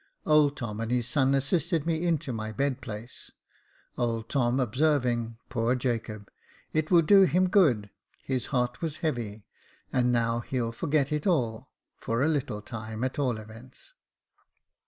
Old Tom and his son assisted me into my bed place, old Tom observing, "Poor Jacob; it will do him good; his heart was heavy, and now he'll forget it all, for a little time, at all events."